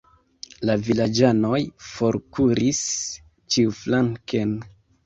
La vilaĝanoj forkuris ĉiuflanken.